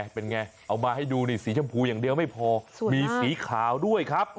เป็นไงเอามาให้ดูนี่สีชมพูอย่างเดียวไม่พอมีสีขาวด้วยครับ